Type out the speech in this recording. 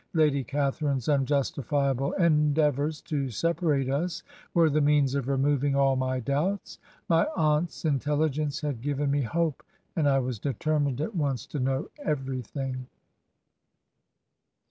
'Lady Catharine's unjustifiable en deavors to separate us were the means of removing all my doubts. ... My aunt's inteUigence had given me hope, and I was determined at once to know every thing.'"